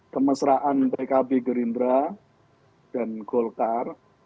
kemesraan pkb gerindra dan golkar